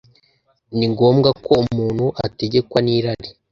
ni ngombwa ko umuntu ategekwa n’irari?